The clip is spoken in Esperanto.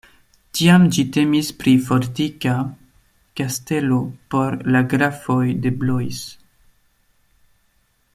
Tiam ĝi temis pri fortika kastelo por la grafoj de Blois.